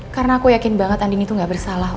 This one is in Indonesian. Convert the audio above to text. karena aku yakin banget andini tuh ga bersalah om